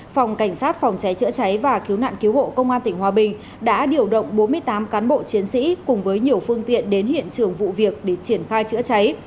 phòng cảnh sát phòng cháy chữa cháy và cứu nạn cứu hộ công an tỉnh hòa bình đã điều động bốn mươi tám cán bộ chiến sĩ cùng với nhiều phương tiện đến hiện trường vụ việc để triển khai chữa cháy